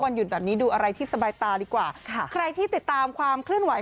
หยุดแบบนี้ดูอะไรที่สบายตาดีกว่าค่ะใครที่ติดตามความเคลื่อนไหว